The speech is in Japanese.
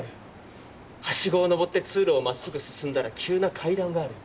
梯子を上って通路を真っ直ぐ進んだら急な階段がある。